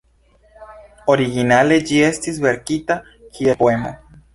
Originale ĝi estis verkita kiel poemo.